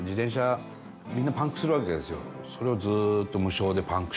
それをずっと。